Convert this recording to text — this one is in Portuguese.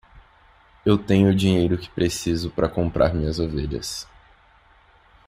Eu tenho o dinheiro que preciso para comprar minhas ovelhas.